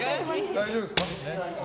大丈夫ですか？